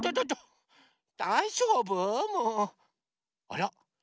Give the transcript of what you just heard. あら。